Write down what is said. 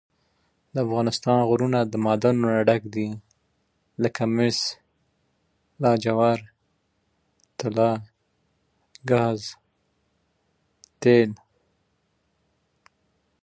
دوی ته معلومات ورکړه.